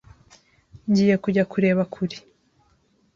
Ngiye kujya kureba kuri .